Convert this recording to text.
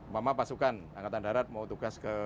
mereka pasukan angkatan darat mau tugas ke kri